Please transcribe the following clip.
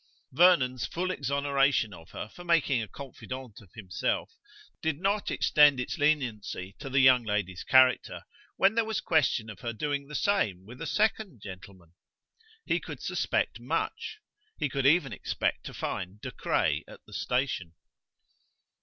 Vernon's full exoneration of her for making a confidant of himself, did not extend its leniency to the young lady's character when there was question of her doing the same with a second gentleman. He could suspect much: he could even expect to find De Craye at the station.